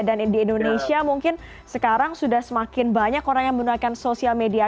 dan di indonesia mungkin sekarang sudah semakin banyak orang yang menggunakan sosial media